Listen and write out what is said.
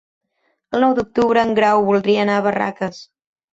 El nou d'octubre en Grau voldria anar a Barraques.